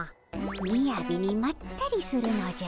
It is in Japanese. みやびにまったりするのじゃ。